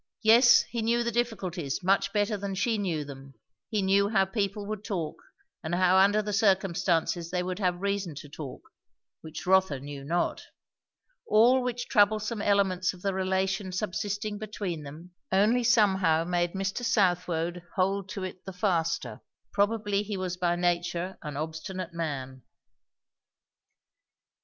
Yes, he knew the difficulties, much better than she knew them; he knew how people would talk, and how under the circumstances they would have reason to talk; which Rotha knew not. All which troublesome elements of the relation subsisting between them, only somehow made Mr. Southwode hold to it the faster. Probably he was by nature an obstinate man.